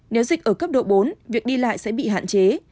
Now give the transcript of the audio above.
nếu dịch ở cấp độ bốn việc đi lại sẽ bị hạn chế